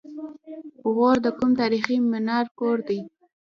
غور د کوم تاریخي منار کور دی؟